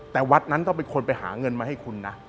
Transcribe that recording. แต่วัดนั้นต้องเป็นคนไปหาเงินมาให้คุณนะ